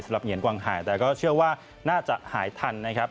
เหงียนกวางหายแต่ก็เชื่อว่าน่าจะหายทันนะครับ